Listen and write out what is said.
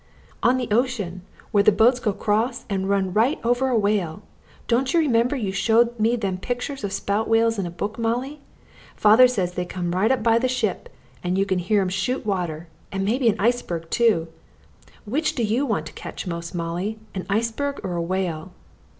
"On the ocean where the boats go 'cross and run right over a whale. Don't you remember you showed me them pictures of spout whales in a book, Molly? Father says they comes right up by the ship and you can hear 'em shoot water and maybe a iceberg, too. Which do you want to ketch' most, Molly, a iceberg or a whale?"